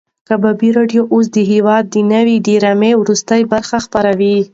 د کبابي راډیو اوس د هېواد د نوې ډرامې وروستۍ برخه خپروي.